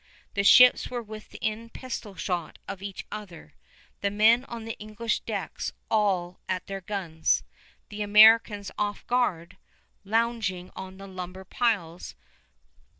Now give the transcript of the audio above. The ships were within pistol shot of each other, the men on the English decks all at their guns, the Americans off guard, lounging on the lumber piles.